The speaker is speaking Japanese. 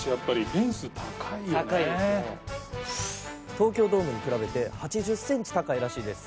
東京ドームに比べて８０センチ高いらしいです。